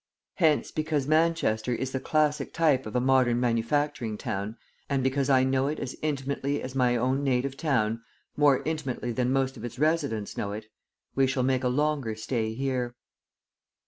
Hence because Manchester is the classic type of a modern manufacturing town, and because I know it as intimately as my own native town, more intimately than most of its residents know it, we shall make a longer stay here.